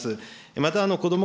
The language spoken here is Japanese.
また、こども